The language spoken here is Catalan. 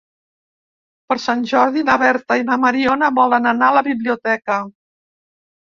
Per Sant Jordi na Berta i na Mariona volen anar a la biblioteca.